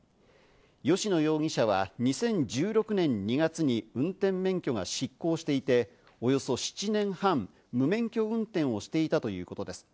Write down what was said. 吉野容疑者は２０１６年２月に運転免許が失効していて、およそ７年半、無免許運転をしていたということです。